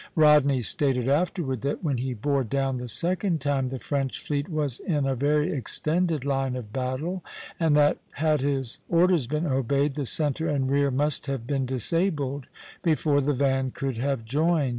Rodney stated afterward that when he bore down the second time, the French fleet was in a very extended line of battle; and that, had his orders been obeyed, the centre and rear must have been disabled before the van could have joined.